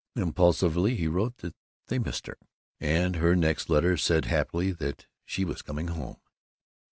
Impulsively he wrote that they missed her, and her next letter said happily that she was coming home.